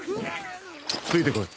ついてこい。